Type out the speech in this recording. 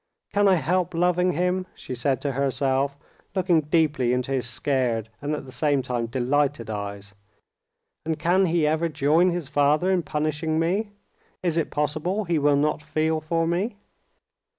"Can I help loving him?" she said to herself, looking deeply into his scared and at the same time delighted eyes. "And can he ever join his father in punishing me? Is it possible he will not feel for me?"